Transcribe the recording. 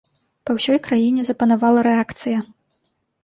Па ўсёй краіне запанавала рэакцыя.